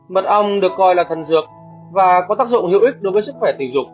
mật ong được coi là thần dược và có tác dụng hữu ích đối với sức khỏe tình dục